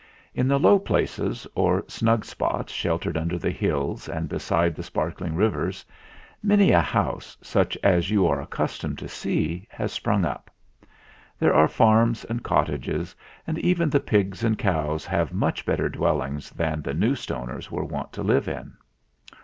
In the low places, or snug spots sheltered under the hills and besides the spark ling rivers, many a house, such as you are ac customed to see, has sprung up. There are MERRIPIT FARM 59 farms and cottages, and even the pigs and cows have much better dwellings than the New Stoners were wont to live in.